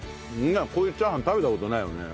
こういうチャーハン食べた事ないよね。